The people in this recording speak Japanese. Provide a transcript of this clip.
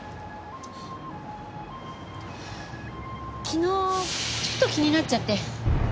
昨日ちょっと気になっちゃって。